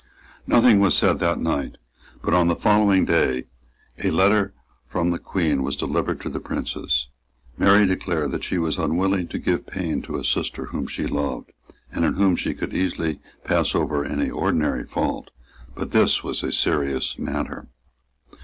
Nothing was said that night; but on the following day a letter from the Queen was delivered to the Princess. Mary declared that she was unwilling to give pain to a sister whom she loved, and in whom she could easily pass over any ordinary fault; but this was a serious matter.